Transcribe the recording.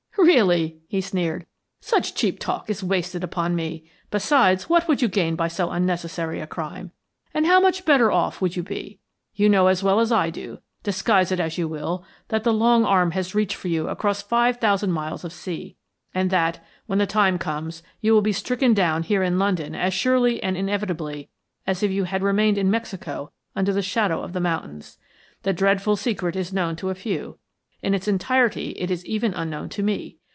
"Really!" he sneered. "Such cheap talk is wasted upon me. Besides, what would you gain by so unnecessary a crime, and how much better off would you be? You know as well as I do, disguise it as you will, that the long arm has reached for you across five thousand miles of sea, and that, when the time comes, you will be stricken down here in London as surely and inevitably as if you had remained in Mexico under the shadow of the mountains. The dreadful secret is known to a few, in its entirety it is even unknown to me.